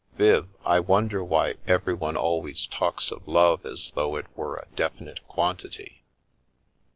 Viv, I wonder why everyone always talks of love as though it were a definite quantity.